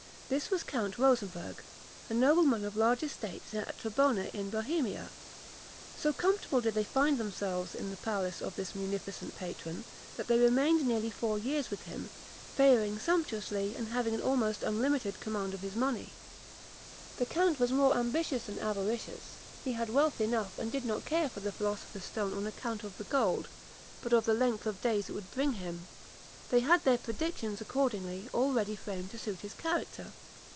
This was Count Rosenberg, a nobleman of large estates at Trebona in Bohemia. So comfortable did they find themselves in the palace of this munificent patron, that they remained nearly four years with him, faring sumptuously, and having an almost unlimited command of his money. The count was more ambitious than avaricious: he had wealth enough, and did not care for the philosopher's stone on account of the gold, but of the length of days it would bring him. They had their predictions, accordingly, all ready framed to suit his character.